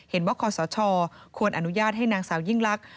คอสชควรอนุญาตให้นางสาวยิ่งลักษณ